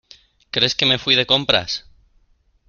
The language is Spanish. ¿ crees que me fui de compras?